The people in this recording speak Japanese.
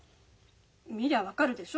見りゃ分かるでしょ？